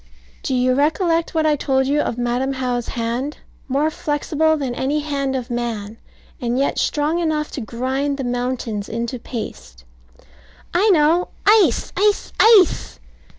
Do you recollect what I told you of Madam How's hand, more flexible than any hand of man, and yet strong enough to grind the mountains into paste? I know. Ice! ice! ice!